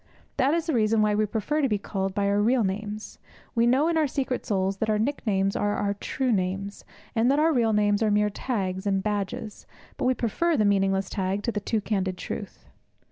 That is the reason why we prefer to be called by our real names. We know in our secret souls that our nicknames are our true names, and that our real names are mere tags and badges; but we prefer the meaningless tag to the too candid truth.